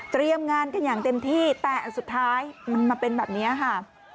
งานกันอย่างเต็มที่แต่สุดท้ายมันมาเป็นแบบนี้ค่ะ